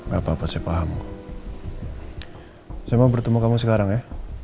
gapapa saya paham saya mau bertemu kamu sekarang ya